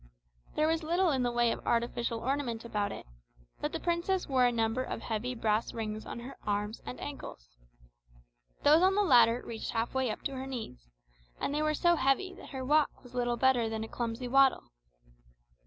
There was little in the way of artificial ornament about it, but the princess wore a number of heavy brass rings on her arms and ankles. Those on the latter reached half way up to her knees, and they were so heavy that her walk was little better than a clumsy waddle.